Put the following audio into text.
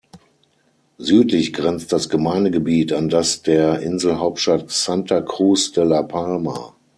Südlich grenzt das Gemeindegebiet an das der Inselhauptstadt Santa Cruz de La Palma.